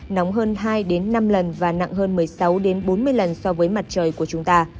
nóng hơn hai năm lần và nặng hơn một mươi sáu bốn mươi lần so với mặt trời của chúng ta